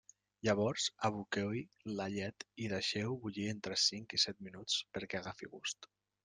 Llavors aboqueu-hi la llet i deixeu-ho bullir entre cinc i set minuts perquè agafi gust.